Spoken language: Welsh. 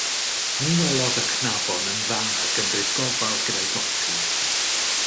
Ni welodd y cnafon yn dda gymryd gofal gyda'i gopi.